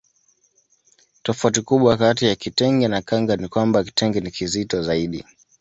Tofauti kubwa kati ya kitenge na kanga ni kwamba kitenge ni kizito zaidi